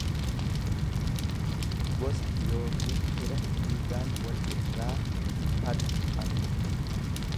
gosa yookiin fira dhiigaan wal irraa faga ate.